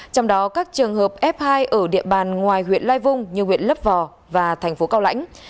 trong đó các trường hợp f hai ở địa bàn ngoài huyện lai vung như huyện lấp vò và thành phố cao lãnh